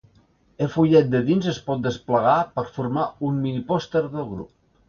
E fullet de dins es pot desplegar per formar un minipòster del grup.